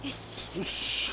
よし。